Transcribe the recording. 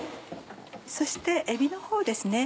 そしてえびのほうですね。